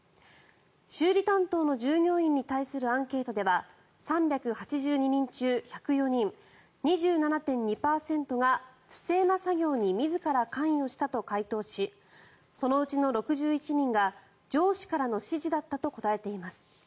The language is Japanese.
修理担当の従業員に対するアンケートでは３８２人中１０４人２７．２％が不正な作業に自ら関与したと回答しそのうちの６１人が上司からの指示だったと答えています。